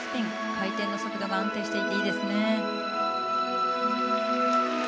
回転の速度が安定していていいですね。